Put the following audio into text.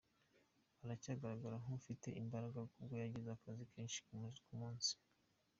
Aracyagaragara nk’ufite imbaraga n’ubwo yagize akazi kenshi k’umunsi.